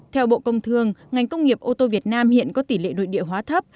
theo bộ công thương ngành công nghiệp ô tô việt nam hiện có tỷ lệ nội địa hóa thấp